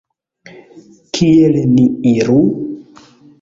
Kiel ni iru?